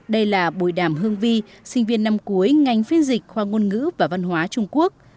đây là bùi đàm hương vi sinh viên năm cuối ngành phiên dịch khoa ngôn ngữ và văn hóa trung quốc